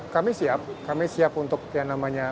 kami siap kami siap untuk yang namanya